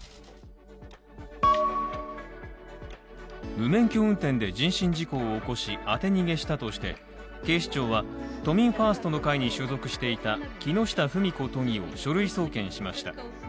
無免許運転で人身事故を起こし、当て逃げしたとして警視庁は、都民ファーストの会に所属していた木下富美子都議を書類送検しました。